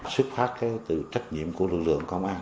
xuất phát từ trách nhiệm của lực lượng công an